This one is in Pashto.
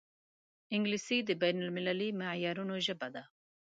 انګلیسي د بین المللي معیارونو ژبه ده